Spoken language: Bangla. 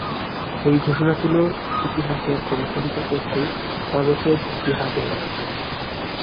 এই ঘোষণা ছিল ইতিহাসের কোনো খলিফা কর্তৃক সর্বশেষ জিহাদের ডাক।